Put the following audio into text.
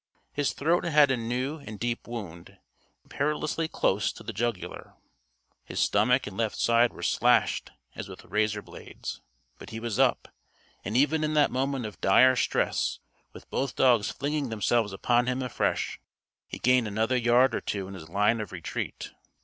His throat had a new and deep wound, perilously close to the jugular. His stomach and left side were slashed as with razor blades. But he was up. And even in that moment of dire stress with both dogs flinging themselves upon him afresh he gained another yard or two in his line of retreat.